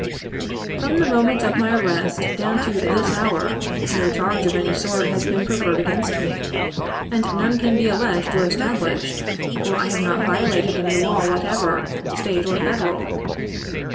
" From the moment of my arrest down to this hour no charge of any sort has been preferred against me, and none can be alleged or established, for I have not violated any law whatever, State or Federal.